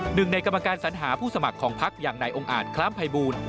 หนึ่งในกรรมการสัญหาผู้สมัครของพักอย่างนายองค์อาจคล้ามภัยบูล